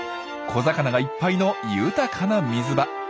小魚がいっぱいの豊かな水場。